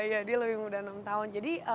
iya dia lebih muda enam tahun jadi